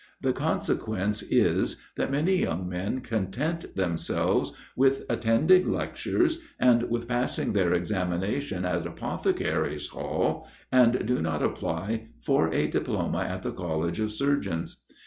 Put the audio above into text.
The consequence is, that many young men content themselves with attending lectures, and with passing their examinations at Apothecaries' hall, and do not apply for a diploma at the College of Surgeons.